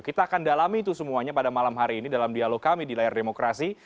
kita akan dalami itu semuanya pada malam hari ini dalam dialog kami di layar demokrasi